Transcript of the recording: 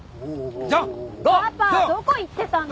パパどこ行ってたの？